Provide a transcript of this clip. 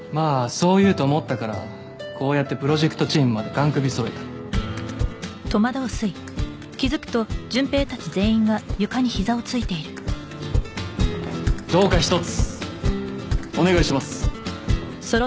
そう言うと思ったからこうやってプロジェクトチームまでがん首そろえたどうかひとつお願いします